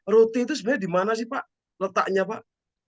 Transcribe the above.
rote itu sebenarnya dimana sih pak letaknya pak